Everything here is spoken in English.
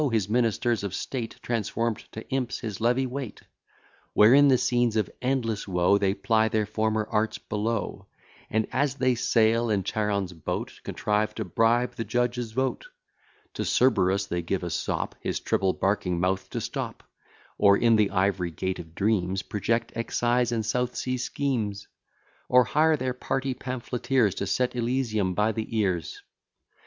his ministers of state, Transform'd to imps, his levee wait; Where in the scenes of endless woe, They ply their former arts below; And as they sail in Charon's boat, Contrive to bribe the judge's vote; To Cerberus they give a sop, His triple barking mouth to stop; Or, in the ivory gate of dreams, Project excise and South Sea schemes; Or hire their party pamphleteers To set Elysium by the ears.